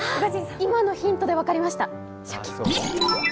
今のヒントで分かりました。